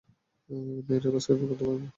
মেয়েরা বাস্কেটবল খেলতে পারে না।